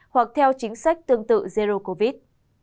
hoặc theo chính sách tương tự zero covid